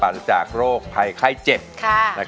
คุณแม่รู้สึกยังไงในตัวของกุ้งอิงบ้าง